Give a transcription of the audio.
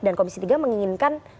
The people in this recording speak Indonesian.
dan komisi tiga menginginkan